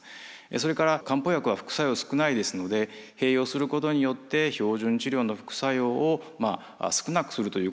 それから漢方薬は副作用少ないですので併用することによって標準治療の副作用を少なくするということができます。